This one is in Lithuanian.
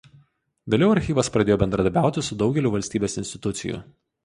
Vėliau archyvas pradėjo bendradarbiauti su daugeliu valstybės institucijų.